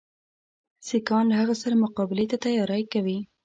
سیکهان له هغه سره مقابلې ته تیاری کوي.